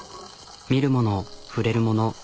見るもの触れるもの。